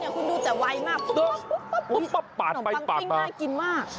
๒มือทำกันเนี่ยคุณดูแต่ไวมากขนมปังติ้งน่ากินมาก